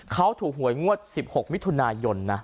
เขาถูกหวยงวด๑๖มิถุนายนนะ